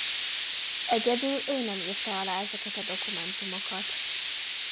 Egyedül ő nem írta alá ezeket a dokumentumokat.